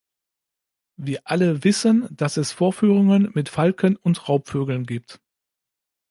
Wir alle wissen, dass es Vorführungen mit Falken und Raubvögeln gibt.